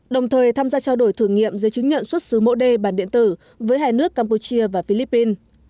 đồng thời tham gia trao đổi thử nghiệm giấy chứng nhận xuất xứ mẫu đê bản điện tử với hai nước campuchia và philippines